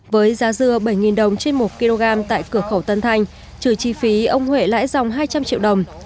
với giá dưa bảy đồng trên một kg tại cửa khẩu tân thanh trừ chi phí ông huệ lãi dòng hai trăm linh triệu đồng